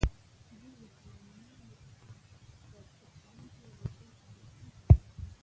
دوی د هورمونونو د ترشح کوونکو غدو فعالیت هم تنظیموي.